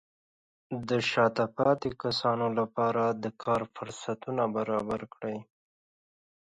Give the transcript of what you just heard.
د شاته پاتې کسانو لپاره د کار فرصتونه برابر کړئ.